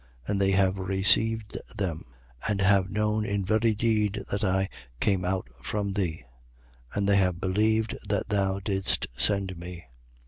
And they have received them and have known in very deed that I came out from thee: and they have believed that thou didst send me.